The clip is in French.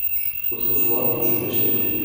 autrefois je pêchai.